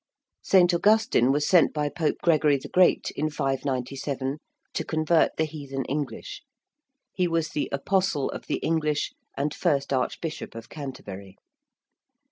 ~St. Augustine~ was sent by Pope Gregory the Great in 597 to convert the heathen English: he was the 'Apostle of the English,' and first Archbishop of Canterbury.